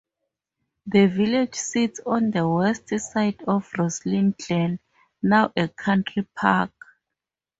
The village sits on the west side of Roslin Glen, now a country park.